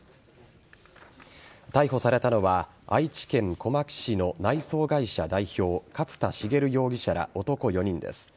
逮捕されたのは愛知県小牧市の内装会社代表勝田茂容疑者ら男４人です。